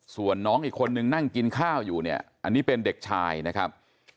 ส่วนน้องอีกคนนึงนั่งกินข้าวอยู่เนี่ยอันนี้เป็นเด็กชายนะครับ